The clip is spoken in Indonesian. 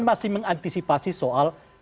masih mengantisipasi soal